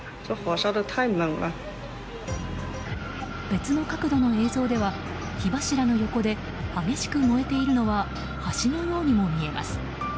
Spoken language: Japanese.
別の角度の映像では火柱の横で激しく燃えているのは橋のようにも見えます。